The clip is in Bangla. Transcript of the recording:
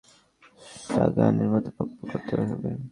তুই কি এখন পুরোটা পথ কার্ল স্যাগানের মতো পকপক করতে থাকবি?